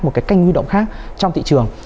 một cái kênh huy động khác trong thị trường